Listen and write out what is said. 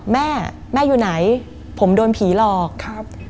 แม่แม่อยู่ไหนผมโดนผีหลอกครับ